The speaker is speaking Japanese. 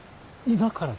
今から。